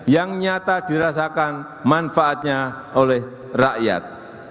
yang nyata dirasakan manfaatnya oleh rakyat